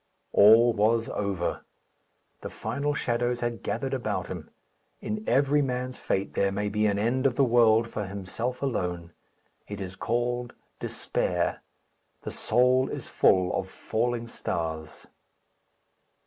All was over. The final shadows had gathered about him. In every man's fate there may be an end of the world for himself alone. It is called despair. The soul is full of falling stars.